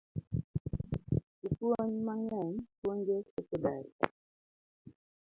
Jopuony mangeny puonjo sekodari